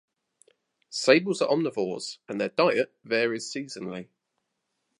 Sables are omnivores, and their diet varies seasonally.